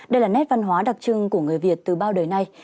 đây là nét văn hóa đặc trưng của người việt từ bao đời nay